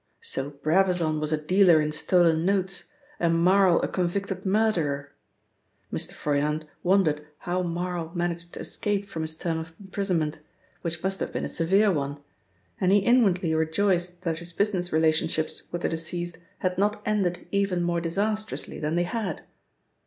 So Brabazon was a dealer in stolen notes and Marl a convicted murderer! Mr. Froyant wondered how Marl managed to escape from his term of imprisonment, which must have been a severe one, and he inwardly rejoiced that his business relationships with the deceased had not ended even more disastrously than they had.